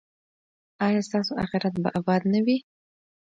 ایا ستاسو اخرت به اباد نه وي؟